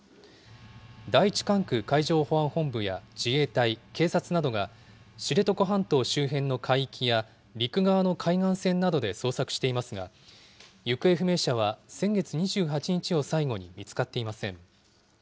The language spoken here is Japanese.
第１管区海上保安本部や自衛隊、警察などが、知床半島周辺の海域や陸側の海岸線などで捜索していますが、行方不明者は先月２８日を最後に見つかっていません。